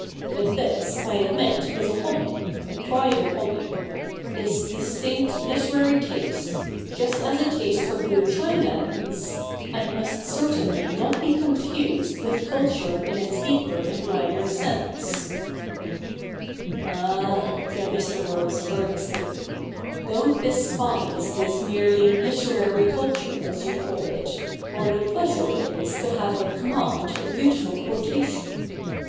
But this, I admit, is a hobby — a private hobby — this distinct literary taste, just as a taste for blue china is, and must certainly not be confused with culture in its deeper and wider sense.' ' Ah,' said Mr. Rose earnestly ' don't despise this merely literary culture, as you call it, or the pleasure it is ^ Vide Faust, Prologue for the Theatre. 142 THE NEW REPUBLIC [hk. hi to have at command a beautiful quotation.